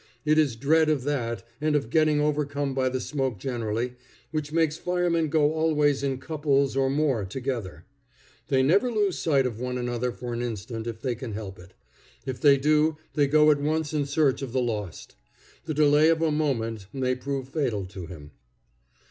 It is dread of that, and of getting overcome by the smoke generally, which makes firemen go always in couples or more together. They never lose sight of one another for an instant, if they can help it. If they do, they go at once in search of the lost. The delay of a moment may prove fatal to him.